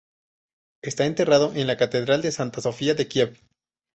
Está enterrado en la catedral de Santa Sofía de Kiev.